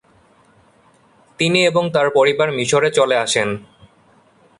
তিনি এবং তার পরিবার মিশরে চলে আসেন।